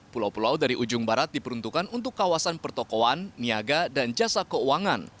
pulau pulau dari ujung barat diperuntukkan untuk kawasan pertokohan niaga dan jasa keuangan